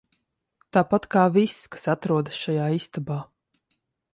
Tāpat kā viss, kas atrodas šajā istabā.